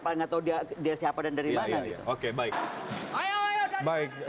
paling nggak tahu dia siapa dan dari mana